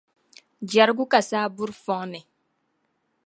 Jɛrigu ka saa buri fɔŋ ni.